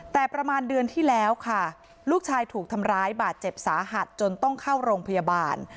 แต่ประมาณเดือนที่แล้วค่ะลูกชายถูกทำร้ายบาดเจ็บสาหัสจนต้องเข้าโรงพยาบาล